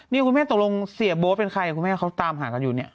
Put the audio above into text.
นี่คุณแม่ตกลงเสียโบ๊ทเป็นใครคุณแม่เขาตามหากันอยู่เนี่ย